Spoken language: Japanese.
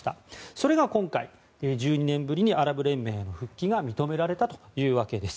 それが今回、１２年ぶりにアラブ連盟への復帰が認められたというわけです。